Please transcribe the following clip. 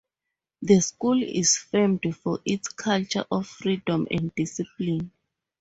The school is famed for its culture of "freedom and discipline".